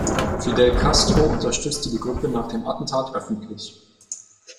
Fidel Castro unterstützte die Gruppe nach dem Attentat öffentlich.